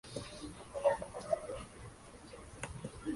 Él le dice a Mayhem que no sabe dónde está Tyrone.